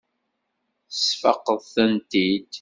Tesfaqeḍ-tent-id.